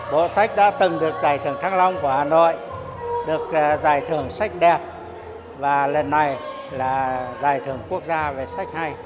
bộ sách đã từng được giải thưởng thăng long của hà nội được giải thưởng sách đẹp và lần này là giải thưởng quốc gia về sách hay